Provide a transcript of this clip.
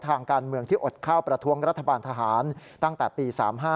ทางการเมืองที่อดข้าวประท้วงรัฐบาลทหารตั้งแต่ปี๓๕